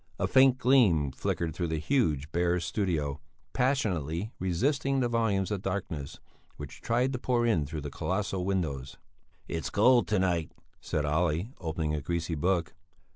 A faint gleam flickered through the huge, bare studio, passionately resisting the volumes of darkness which tried to pour in through the colossal windows. "It's cold to night," said Olle, opening a greasy book.